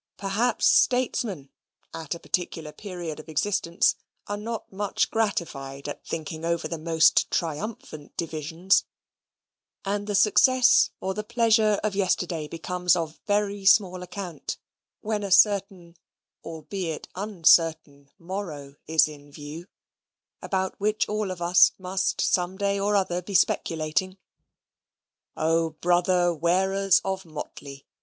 Perhaps statesmen, at a particular period of existence, are not much gratified at thinking over the most triumphant divisions; and the success or the pleasure of yesterday becomes of very small account when a certain (albeit uncertain) morrow is in view, about which all of us must some day or other be speculating. O brother wearers of motley!